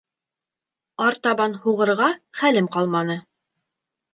Артабан һуғырға хәлем ҡалманы.